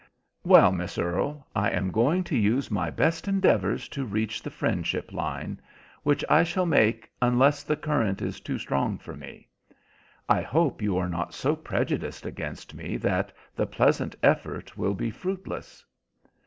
"Well, Miss Earle, I am going to use my best endeavours to reach the friendship line, which I shall make unless the current is too strong for me. I hope you are not so prejudiced against me that the pleasant effort will be fruitless."